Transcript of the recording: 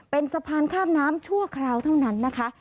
เป็นสะพานข้ามน้ำชั่วคราวเท่านั้นนะคะ